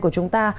của chúng ta